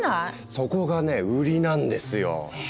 そこがね売りなんですよ。え？